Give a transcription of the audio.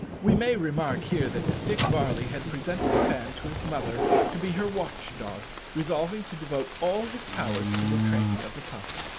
We may remark here that Dick Varley had presented Fan to his mother to be her watch dog, resolving to devote all his powers to the training of the pup.